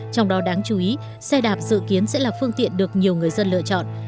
trong đó đáng chú ý xe đạp dự kiến sẽ là phương tiện được nhiều người dân lựa chọn